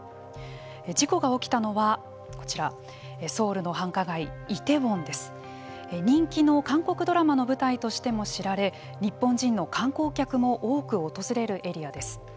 事故が起きたのは人気の韓国ドラマの舞台としても知られ日本人の観光客多く訪れるエリアです。